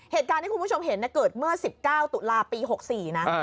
เหตุการณ์ที่คุณผู้ชมเห็นเกิดเมื่อ๑๙ตุลาปี๖๔นะ